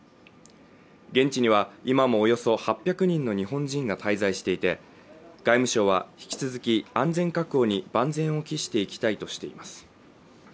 現地には今もおよそ８００人の日本人が滞在していて外務省は引き続き安全確保に万全を期していきたいとしています